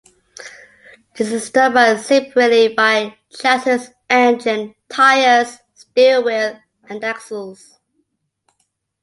This is done by separately buying chassis, engine, tires, steering wheel, and axles.